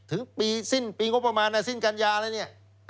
ถึงปีสิ้นปีงบประมาณสิ้นกัญญาอะไรเนี่ย